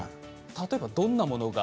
例えばどんなものが。